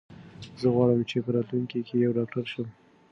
زه غواړم چې په راتلونکي کې یو ډاکټر شم.